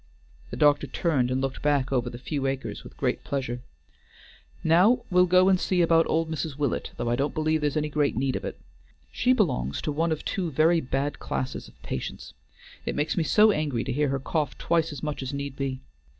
The doctor turned and looked back over the few acres with great pleasure. "Now we'll go and see about old Mrs. Willet, though I don't believe there's any great need of it. She belongs to one of two very bad classes of patients. It makes me so angry to hear her cough twice as much as need be.